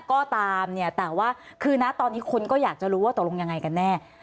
ก็ตามเนี่ยแต่ว่าคือนะตอนนี้คนก็อยากจะรู้ว่าตกลงยังไงกันแน่